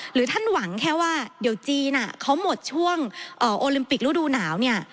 หรือท่านหวังแค่ว่าเดี๋ยวจีนเขาหมดช่วงโอลิมปิกฤดูหนาวเนี่ย